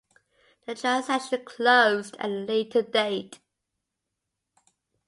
The transaction closed at a later date.